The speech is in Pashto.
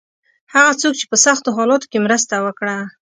هغه څوک چې په سختو حالاتو کې مرسته وکړه.